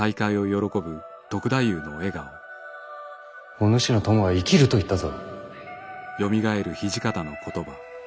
お主の友は生きると言ったぞ。